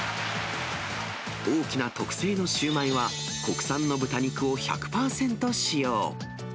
大きな特製のシューマイは、国産の豚肉を１００％使用。